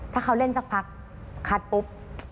ถ้าเขาเล่นสักพักคัดปุ๊บ